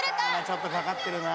ちょっとかかってるな。